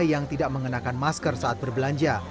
yang tidak mengenakan masker saat berbelanja